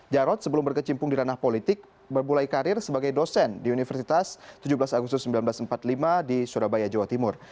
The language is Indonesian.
jarod sebelum berkecimpung di ranah politik berbulai karir sebagai dosen di universitas tujuh belas agustus seribu sembilan ratus empat puluh lima di surabaya jawa timur